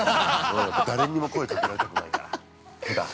誰にも声かけられたくないからふだん。